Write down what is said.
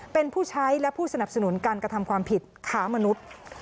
เป็นผู้ใช้และผู้สนับสนุนการกระทำความผิดค้ามนุษย์